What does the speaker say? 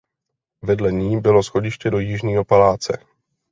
Vedle ní bylo schodiště do jižního paláce.